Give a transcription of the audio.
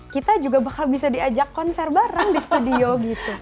kita juga bakal bisa diajak konser bareng di studio gitu